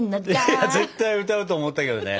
いや絶対歌うと思ったけどね。